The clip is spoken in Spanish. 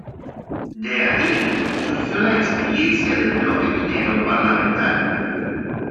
De allí surgió la experiencia del Bloque Minero Parlamentario.